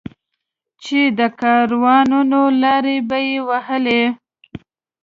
چې د کاروانونو لارې به یې وهلې.